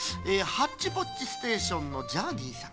「ハッチポッチステーションのジャーニーさん